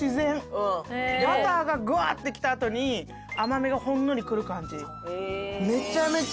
バターがぐわ！って来た後に甘みがほんのり来る感じ。